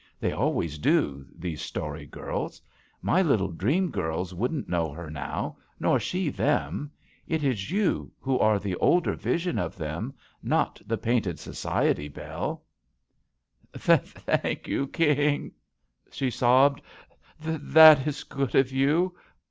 They always do— ^these story girls. My little dream girls wouldn't know her now, nor she them. It is you, who are the older vision of them, not the painted society belle." JUST SWEETHEARTS "Thank you, King," she sobbed, "that is good of you."